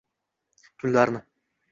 kunlarni